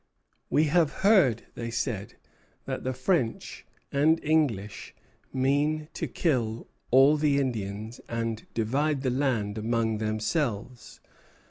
"We have heard," they said, "that the French and English mean to kill all the Indians and divide the land among themselves."